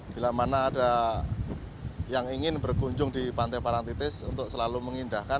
bila mana ada yang ingin berkunjung di pantai parang titis untuk selalu mengindahkan